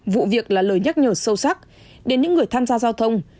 vụ việc là lời nhắc nhở sâu sắc đến những người tham gia giao thông